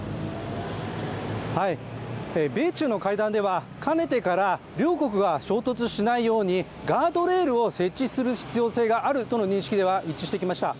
米中の会談では、かねてから両国が衝突しないようにガードレールを設置する必要性があるとの認識では一致してきました。